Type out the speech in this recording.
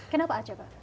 kenapa aceh pak